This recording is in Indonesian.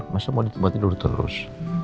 masa mau tidur terus